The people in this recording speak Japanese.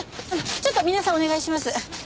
ちょっと皆さんお願いします。